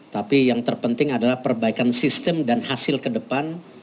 tapi yang terpenting adalah perbaikan sistem dan hasil kedepan